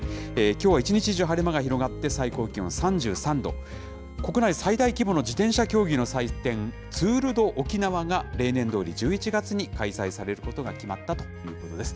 きょうは一日中、晴れ間が広がって、最高気温３３度、国内最大規模の自転車競技の祭典、ツール・ド・おきなわが、例年どおり、１１月に開催されることが決まったということです。